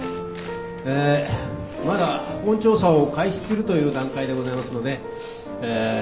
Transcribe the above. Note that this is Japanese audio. えまだ本調査を開始するという段階でございますのでえ